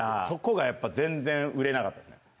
そこがやっぱ全然売れなかったですね。